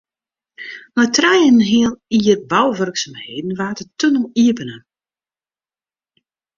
Nei trije en in heal jier bouwurksumheden waard de tunnel iepene.